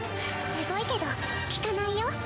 すごいけど効かないよ。